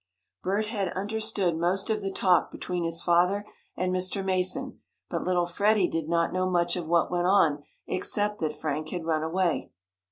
Bert had understood most of the talk between his father and Mr. Mason, but little Freddie did not know much of what went on except that Frank had run away.